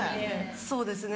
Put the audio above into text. そうですね